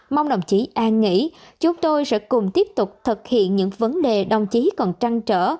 mong đồng chí an nghĩ chúng tôi sẽ cùng tiếp tục thực hiện những vấn đề đồng chí còn trăng trở